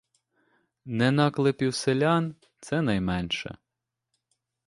Не наклепів селян: це найменше.